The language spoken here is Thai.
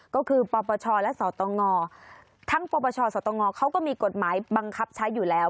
ก็คือปปชและสตงทั้งปปชสตงเขาก็มีกฎหมายบังคับใช้อยู่แล้ว